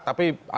tapi ada haknya